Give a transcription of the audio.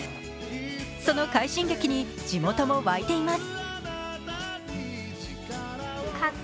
その快進撃に地元も沸いています。